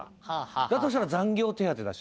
だとしたら残業手当だし。